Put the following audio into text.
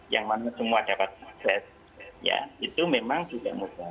yang mana semua dapat akses ya itu memang juga mudah